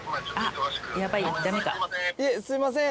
いえすいません